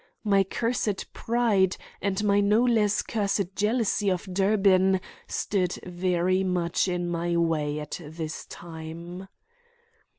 My cursed pride and my no less cursed jealousy of Durbin stood very much in my way at this time.